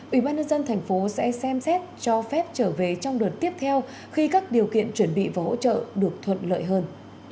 ủy ban nhân dân thành phố sẽ xem xét cho phép trở về trong đợt tiếp theo khi các điều kiện chuẩn bị và hỗ trợ được thuận lợi hơn